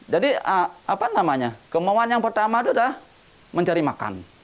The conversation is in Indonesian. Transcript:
jadi apa namanya kemauan yang pertama itu dah mencari makan